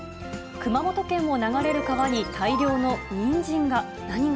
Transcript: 熊本県を流れる川に、大量のニンジンが。